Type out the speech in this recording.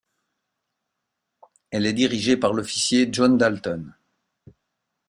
Elle est dirigée par l'officier John Dalton.